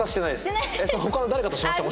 他の誰かとしました？